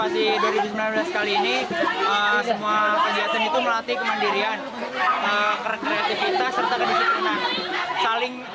di tepok serpasi dua ribu sembilan belas kali ini semua penjahatan itu melatih kemandirian kreativitas serta kedisiplinan